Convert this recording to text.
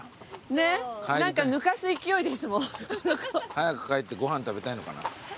早く帰ってご飯食べたいのかな。